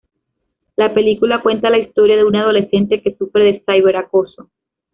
La película cuenta la historia de una adolescente que sufre de cyber acoso.